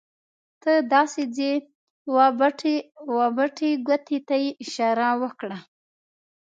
ته داسې ځې وه بټې ګوتې ته یې اشاره وکړه.